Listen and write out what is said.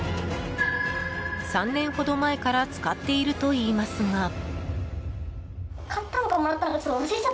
３年ほど前から使っているといいますが。